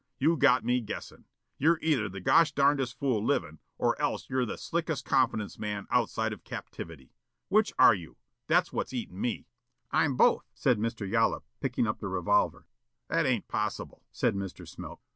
You got me guessin'. You're either the goshdarndest fool livin' or else you're the slickest confidence man outside of captivity. Which are you? That's what's eatin' me." "I'm both," said Mr. Yollop, picking up the revolver. "That ain't possible," said Mr. Smilk.